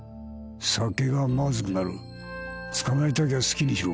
酒がまずくなる捕まえたけりゃ好きにしろ。